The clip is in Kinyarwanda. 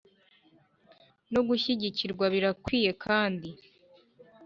No gushyigikirwa birakwiye kandi